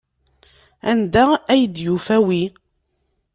Anda ay d-yufa wi?